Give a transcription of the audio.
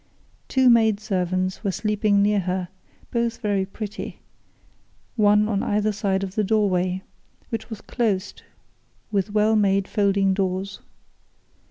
Two maid servants were sleeping near her, both very pretty, one on either side of the doorway, which was closed with well made folding doors.